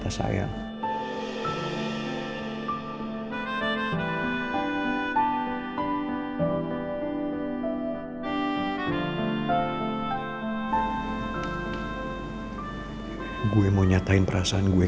tapi tetep aja dia ngacangin gue